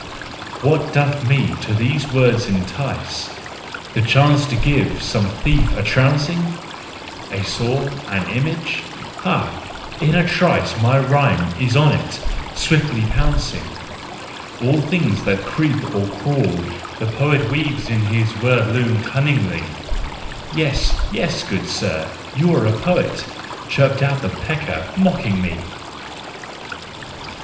What doth me to these woods entice ? The chance to give some thief a trouncing A saw, an image? Ha, in a trice My rhyme is on it, swiftly pouncing! All things that creep or crawl the poet Weaves in his word loom cunningly. "Yes, yes, good sir, you are a poet," Chirped out the pecker, mocking me.